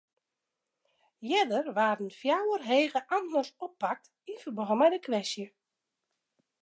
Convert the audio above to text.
Earder waarden fjouwer hege amtners oppakt yn ferbân mei de kwestje.